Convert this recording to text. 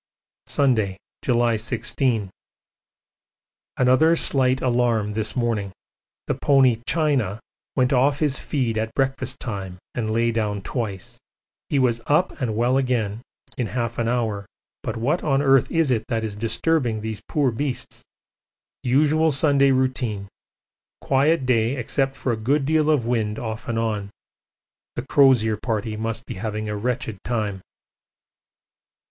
Sunday, July 16. Another slight alarm this morning. The pony 'China' went off his feed at breakfast time and lay down twice. He was up and well again in half an hour; but what on earth is it that is disturbing these poor beasts? Usual Sunday routine. Quiet day except for a good deal of wind off and on. The Crozier Party must be having a wretched time.